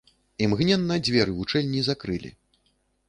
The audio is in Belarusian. Імгненна дзверы вучэльні закрылі.